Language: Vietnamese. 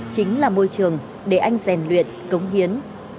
chính là môi trường để anh rèn luyện cống hiến